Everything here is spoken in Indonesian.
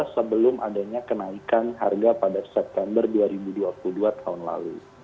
sebelum adanya kenaikan harga pada september dua ribu dua puluh dua tahun lalu